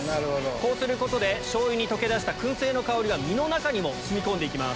こうすることで醤油に溶け出した薫製の香りが身の中にも染み込んで行きます。